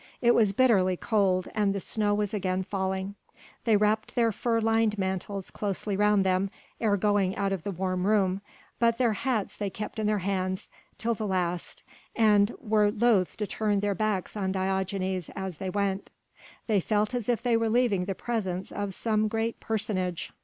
It was bitterly cold and the snow was again falling: they wrapped their fur lined mantles closely round them ere going out of the warm room, but their hats they kept in their hands until the last, and were loth to turn their backs on Diogenes as they went. They felt as if they were leaving the presence of some great personage.